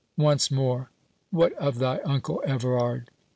—Once more, what of thy uncle Everard?"